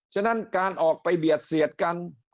ฉะนั้นการออกไปเบียดเสียดกัน